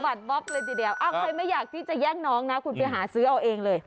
บ๊อบเลยทีเดียวใครไม่อยากที่จะแย่งน้องนะคุณไปหาซื้อเอาเองเลย